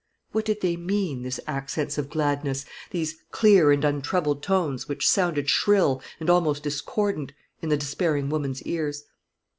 What did they mean, these accents of gladness, these clear and untroubled tones, which sounded shrill, and almost discordant, in the despairing woman's ears?